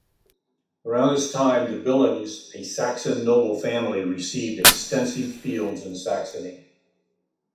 Around this time, the Billungs, a Saxon noble family, received extensive fields in Saxony.